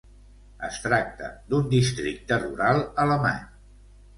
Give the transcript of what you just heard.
Es tracta d'un Districte rural alemany.